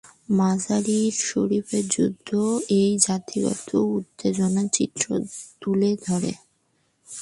মাজার-ই-শরীফের যুদ্ধ এই জাতিগত উত্তেজনার চিত্র তুলে ধরে।